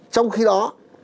trong khi đó